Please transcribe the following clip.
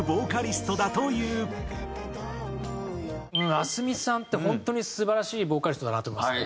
ａｓｍｉさんって本当に素晴らしいボーカリストだなって思いますね。